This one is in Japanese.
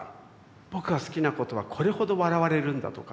僕が好きなことはこれほど笑われるんだとか。